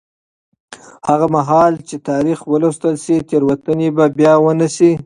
هغه مهال چې تاریخ ولوستل شي، تېروتنې به بیا ونه شي.